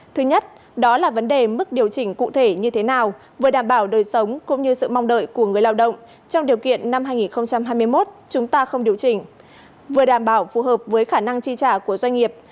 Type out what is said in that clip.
thứ nhất đó là vấn đề mức điều chỉnh cụ thể như thế nào vừa đảm bảo đời sống cũng như sự mong đợi của người lao động trong điều kiện năm hai nghìn hai mươi một chúng ta không điều chỉnh vừa đảm bảo phù hợp với khả năng chi trả của doanh nghiệp